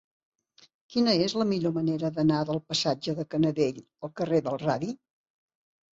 Quina és la millor manera d'anar del passatge de Canadell al carrer del Radi?